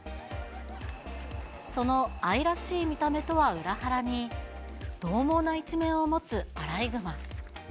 その愛らしい見た目とは裏腹に、どう猛な一面を持つアライグマ。